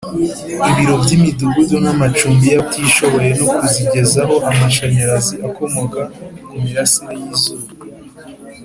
ibiro by imidugudu n amacumbi y abatishoboye no kuzigezaho amashanyarazi akomoka ku mirasire y izuba